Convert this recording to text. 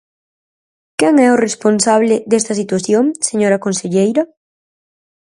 ¿Quen é o responsable desta situación, señora conselleira?